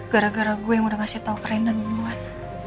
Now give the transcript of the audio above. gara gara gue yang udah ngasih tau ke rena duluan